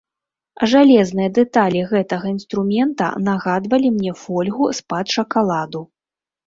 Жалезныя дэталі гэтага інструмента нагадвалі мне фольгу з-пад шакаладу.